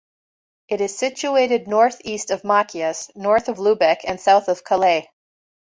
It is situated northeast of Machias, north of Lubec and south of Calais.